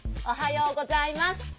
おはようございます。